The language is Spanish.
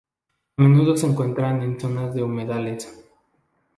A menudo se encuentran en zonas de humedales.